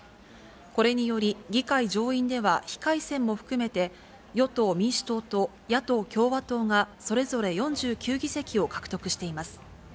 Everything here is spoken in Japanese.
これにより議会上院では、非改選も含めて、与党・民主党と野党・共和党が、それぞれ４９議席を獲得しています。